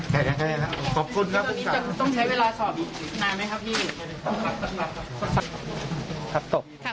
ต้องใช้เวลาสอบนานมั้ยครับพี่